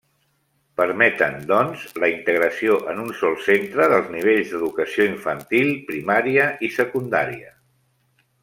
Permeten, doncs, la integració en un sol centre dels nivells d’educació infantil, primària i secundària.